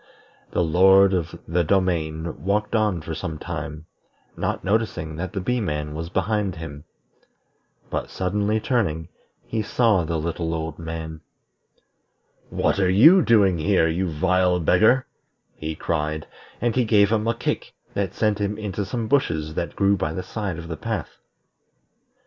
The Lord of the Domain walked on for some time, not noticing that the Bee man was behind him. But suddenly turning, he saw the little old man. "What are you doing here, you vile beggar?" he cried; and he gave him a kick that sent him into some bushes that grew by the side of the path.